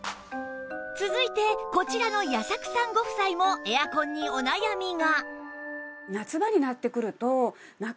続いてこちらの矢作さんご夫妻もエアコンにお悩みが